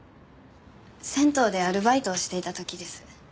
銭湯でアルバイトをしていた時です。